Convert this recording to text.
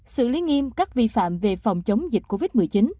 xử lý nghiêm các vi phạm về phòng chống dịch covid một mươi chín